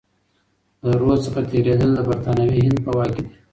د رود څخه تیریدل د برتانوي هند په واک کي دي.